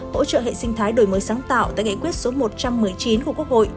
hỗ trợ hệ sinh thái đổi mới sáng tạo tại nghị quyết số một trăm một mươi chín của quốc hội